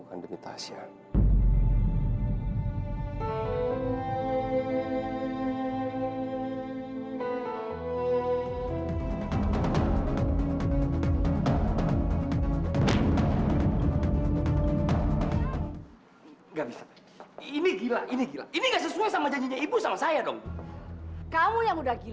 yang bikin saya marah marah